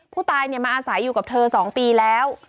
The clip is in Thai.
ผู้ตายมาอาศัยอยู่กับเธอ๒ปีแล้ว